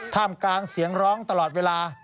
ท่ามกลางเสียงร้องตลอดเวลา